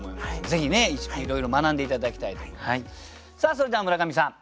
それでは村上さん